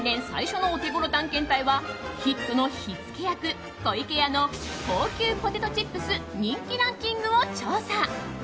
最初のオテゴロ探検隊はヒットの火付け役、湖池屋の高級ポテトチップス人気ランキングを調査。